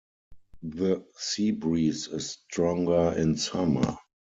The sea breeze is stronger in summer.